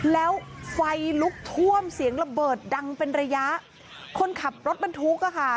แล้วไฟลุกท่วมเสียงระเบิดดังเป็นระยะคนขับรถบรรทุกอ่ะค่ะ